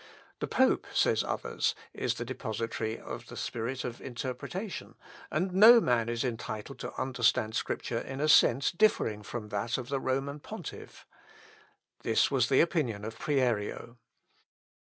The pope, says others, is the depositary of the Spirit of interpretation; and no man is entitled to understand Scripture in a sense differing from that of the Roman pontiff. This was the opinion of Prierio.